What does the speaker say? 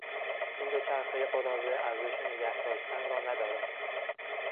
این دوچرخهی قراضه ارزش نگهداشتن را ندارد.